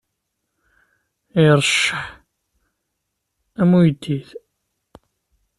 Iṛecceḥ am uyeddid.